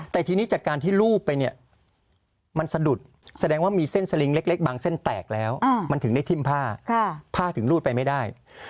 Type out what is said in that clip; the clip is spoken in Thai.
แต่ทีนี้จากการที่รูปไปเนี่ยมันสะดุดแสดงว่ามีเส้นสลิงเล็กบางเส้นแตกแล้วมันถึงได้ทิ้มผ้าผ้าถึงรูดไปไม่ได้